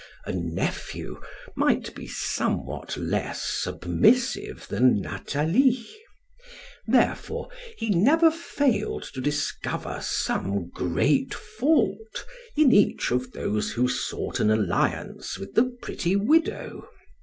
A nephew might be somewhat less submissive than Nathalie. Therefore, he never failed to discover some great fault in each of those who sought an alliance with the pretty widow.